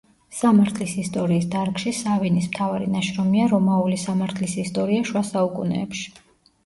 სამართლის ისტორიის დარგში სავინის მთავარი ნაშრომია „რომაული სამართლის ისტორია შუა საუკუნეებში“.